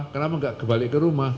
kenapa nggak kembali ke rumah